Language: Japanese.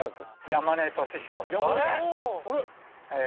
山根！